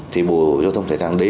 thì bộ giao thông vận tải đang lấy